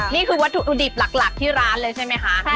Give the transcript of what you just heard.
นี่คือวัตถุดิบหลักที่ร้านเลยใช่ไหมคะ